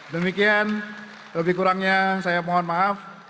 demikian lebih kurangnya saya mohon maaf